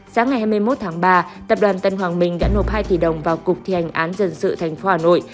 sáng ngày hai mươi một tháng ba tập đoàn tân hoàng minh đã nộp hai tỷ đồng vào cục thi hành án dân sự tp hà nội